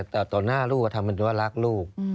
แต่ต่อหน้าลูกก็ทำเป็นว่ารักลูก